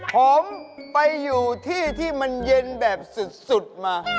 ผมไปอยู่ที่ที่มันเย็นแบบสุดมา